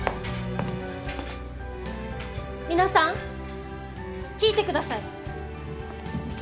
皆さん聞いてください！